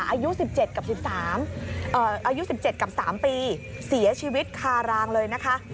อายุสิบเจ็ดกับสามปีเสียชีวิตคารางเลยนะคะ